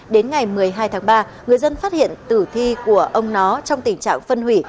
đến ngày một mươi hai tháng ba người dân phát hiện tử thi của ông nó trong tình trạng phân hủy